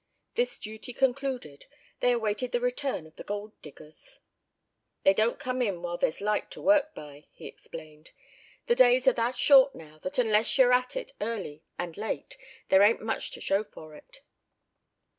This duty concluded, they awaited the return of the gold diggers. "They don't come in while there's light to work by," he explained; "the days are that short now, that unless you're at it early and late there ain't much to show for it."